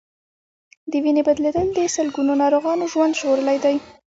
د وینې بدلېدل د سلګونو ناروغانو ژوند ژغورلی دی.